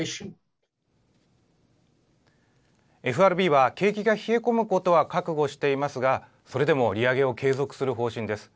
ＦＲＢは景気が冷え込むことは覚悟していますがそれでも利上げを継続する方針です。